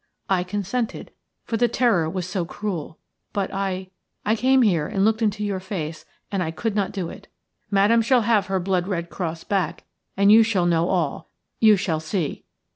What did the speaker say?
I consented, for the terror was so cruel. But I – I came here and looked into your face and I could not do it. Madame shall have her blood red cross back and you shall know all. You shall see."